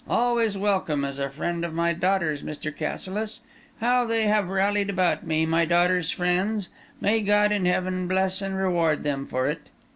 Always welcome as a friend of my daughter's, Mr. Cassilis. How they have rallied about me, my daughter's friends! May God in heaven bless and reward them for it!"